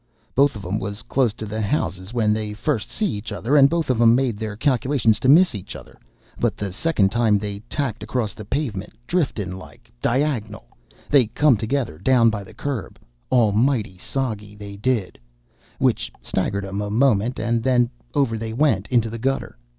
Both of 'em was close to the houses when they fust see each other, and both of 'em made their calculations to miss each other, but the second time they tacked across the pavement driftin' like, diagonal they come together, down by curb al mighty soggy, they did which staggered 'em a moment, and then, over they went, into the gutter.